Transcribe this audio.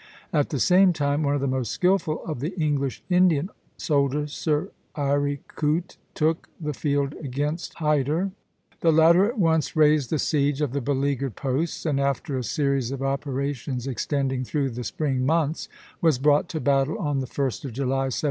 At the same time one of the most skilful of the English Indian soldiers, Sir Eyre Coote, took the field against Hyder. The latter at once raised the siege of the beleaguered posts, and after a series of operations extending through the spring months, was brought to battle on the 1st of July, 1781.